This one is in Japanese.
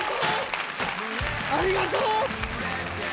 ありがとう。